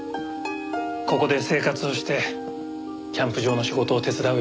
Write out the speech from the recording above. ここで生活をしてキャンプ場の仕事を手伝うようになったんです。